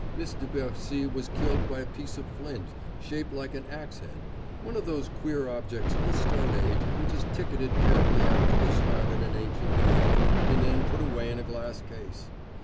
"Miss de Bercy was killed by a piece of flint, shaped like an ax head one of those queer objects of the stone age which is ticketed carefully after it is found in an ancient cave, and then put away in a glass case.